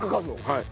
はい。